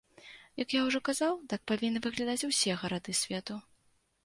Як я ўжо казаў, так павінны выглядаць усе гарады свету.